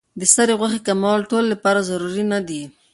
د سرې غوښې کمول ټولو لپاره ضروري نه دي.